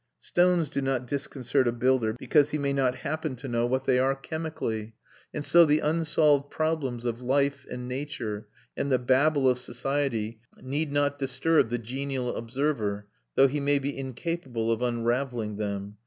Stones do not disconcert a builder because he may not happen to know what they are chemically; and so the unsolved problems of life and nature, and the Babel of society, need not disturb the genial observer, though he may be incapable of unravelling them.